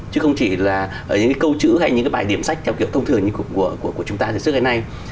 chứ không chỉ là những câu chữ hay những bài điểm sách theo kiểu thông thường của chúng ta dưới thời gian nay